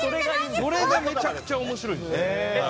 それがめちゃくちゃ面白い。